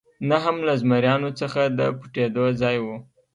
نه هم له زمریانو څخه د پټېدو ځای و.